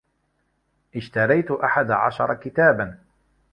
اشتريت أحد عشر كتابا.